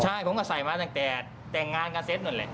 ใช่ผมก็ใส่มาตั้งแต่งงานกันเสร็จหน่อยแหละ